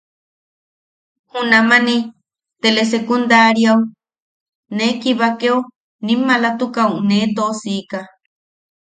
Junamani telesecundariau, ne kibakeo nim maalatukaʼu nee tosika.